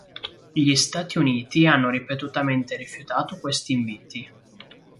Gli Stati Uniti hanno ripetutamente rifiutato questi inviti.